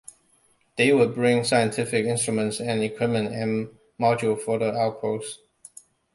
They would bring scientific instruments and equipment and modules for the outpost.